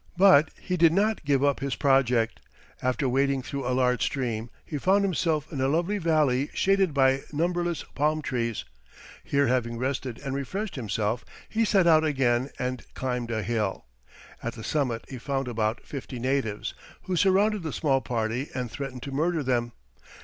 But he did not give up his project; after wading through a large stream, he found himself in a lovely valley shaded by numberless palm trees; here having rested and refreshed himself, he set out again and climbed a hill. At the summit he found about fifty natives, who surrounded the small party and threatened to murder them.